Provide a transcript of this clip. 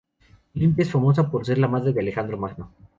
Olimpia es famosa por ser la madre de Alejandro Magno.